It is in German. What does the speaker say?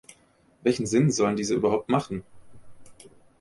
Welchen Sinn sollen diese überhaupt machen?